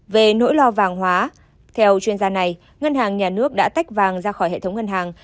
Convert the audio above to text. về nỗi lo vàng hóa theo chuyên gia này ngân hàng nhà nước đã tách vàng ra khỏi hệ thống ngân hàng